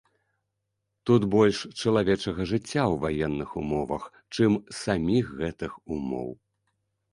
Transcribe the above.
Тут больш чалавечага жыцця ў ваенных умовах, чым саміх гэтых умоў.